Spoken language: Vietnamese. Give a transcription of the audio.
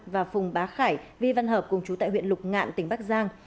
và phùng bá khải vi văn hợp cùng chú tại huyện lục ngạn tỉnh bắc giang